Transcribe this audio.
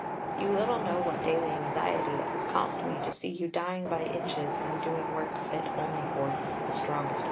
You little know what daily anxiety it has cost me to see you dying by inches in doing work fit only for the strongest constitution....